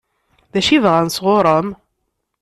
D acu i bɣan sɣur-m?